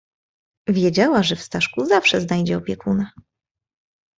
"Wiedziała, że w Staszku zawsze znajdzie opiekuna."